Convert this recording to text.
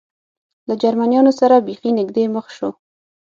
له جرمنیانو سره بېخي نږدې مخ شو.